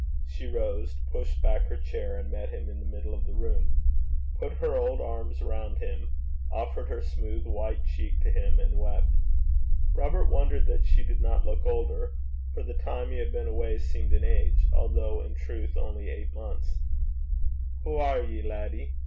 She rose, pushed back her chair, and met him in the middle of the room; put her old arms round him, offered her smooth white cheek to him, and wept. Robert wondered that she did not look older; for the time he had been away seemed an age, although in truth only eight months. 'Hoo are ye, laddie?'